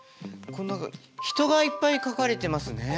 人がいっぱい描かれてますね。